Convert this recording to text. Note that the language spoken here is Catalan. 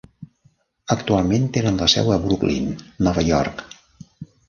Actualment tenen la seu a Brooklyn, Nova York.